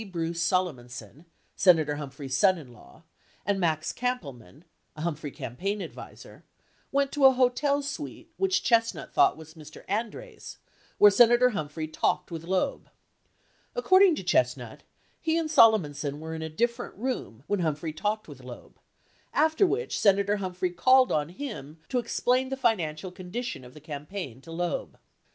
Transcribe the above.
Bruce Solomonson, Senator Humphrey's son in law, and Max Kampelman, a Humphrey campaign advisor, went to a hotel suite which Chestnut thought was Mr. Andreas' where Senator Humphrey talked with Loeb. According to Chestnut, he and Solomonson were in a different room when Humphrey talked with Loeb, after which Senator Humphrey called on him to explain the financial condition of the campaign to Loeb.